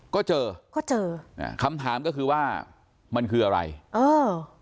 ก็เจอก็เจออ่าคำถามก็คือว่ามันคืออะไรเออ